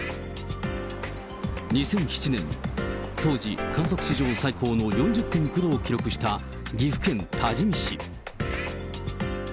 ２００７年、当時、観測史上最高の４０．９度を記録した岐阜県多治見市。